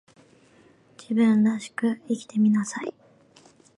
自分らしく生きてみなさい